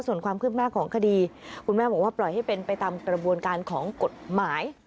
ส่วนความคืบหน้าของคดีคุณแม่บอกว่าปล่อยให้เป็นไปตามกระบวนการของกฎหมาย